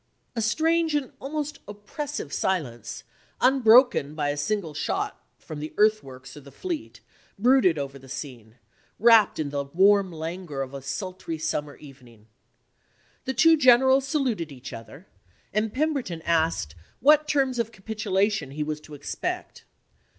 A strange and almost oppressive silence, unbroken by a single shot from the earthworks or the fleet, brooded over the scene, wrapt in the warm languor of a sultry summer evening. The two generals saluted each other, and Pemberton asked what terms of capitulation he was to expect.